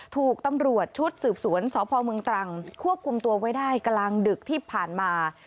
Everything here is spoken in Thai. ถูกตำรวจชุดสืบสวนสพเมืองตรังควบคุมตัวไว้ได้กลางดึกที่ผ่านมา